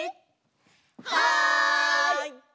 はい！